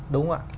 đúng không ạ